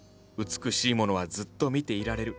美しいものはずっと見ていられる。